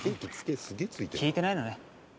聞いてないのね。